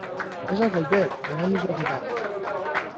Esna zaitez, berandu zoaz eta.